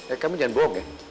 eh kamu jangan bohong ya